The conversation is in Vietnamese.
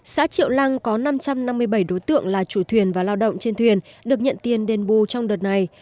xã triệu lăng có năm trăm năm mươi bảy đối tượng là chủ thuyền và lao động trên thuyền được nhận tiền đền bù trong đợt này